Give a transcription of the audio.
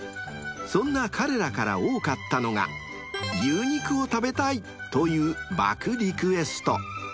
［そんな彼らから多かったのが牛肉を食べたいという爆リクエスト］